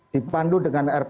dipandu dengan rpjmd